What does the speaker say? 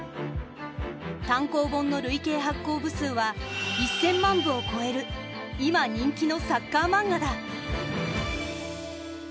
単行本の累計発行部数は１，０００万部を超える今人気のサッカーマンガだ。